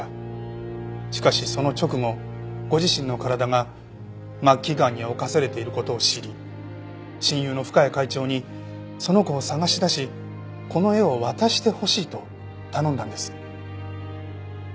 しかしその直後ご自身の体が末期がんに侵されている事を知り親友の深谷会長にその子を捜し出しこの絵を渡してほしいと頼んだんです。